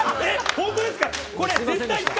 本当ですか？